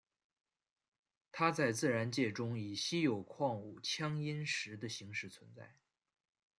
它在自然界中以稀有矿物羟铟石的形式存在。